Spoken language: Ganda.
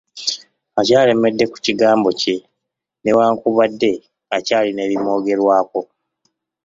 Akyalemedde ku kigambo kye newankubadde akyalina ebimwogerwako.